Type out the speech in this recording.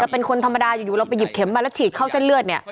เป็นคนธรรมดาอยู่เราไปหยิบเข็มมาแล้วฉีดเข้าเส้นเลือดเนี่ย